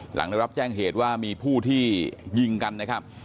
หลังได้รับแจ้งเหตุว่ามีผู้ที่ยิงกันนะครับ